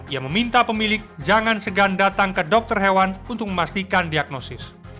ia meminta pemilik jangan segan datang ke dokter hewan untuk memastikan diagnosis